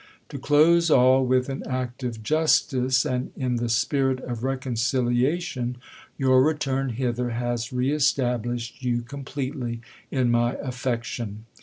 To close all with an act of justice, and in the spirit of reconciliation, your return hither has re established you completely in my affection.